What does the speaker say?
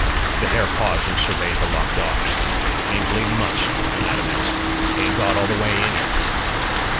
The pair paused and surveyed the locked dogs. "Ain't bleedin' much," Matt announced. "Ain't got all the way in yet."